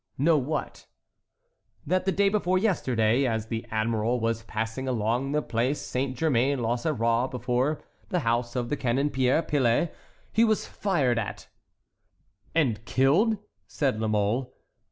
"Know what?" "That the day before yesterday, as the admiral was passing along the place Saint Germain l'Auxerrois before the house of the Canon Pierre Piles, he was fired at"— "And killed?" said La Mole.